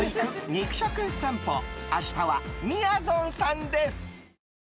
肉食さんぽ明日は、みやぞんさんです。